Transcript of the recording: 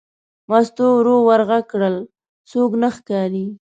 مستو ورو ور غږ کړل: څوک نه ښکاري.